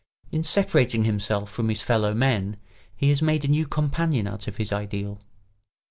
In separating himself from his fellow men he has made a new companion out of his ideal.